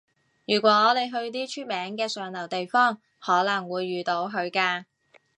如果你去啲出名嘅上流地方，可能會遇到佢㗎